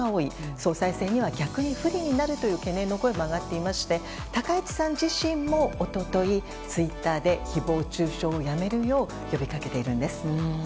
総裁選には逆に不利になるとの懸念の声が上がっていまして高市さん自身も一昨日、ツイッターで誹謗中傷をやめるよう呼びかけているんです。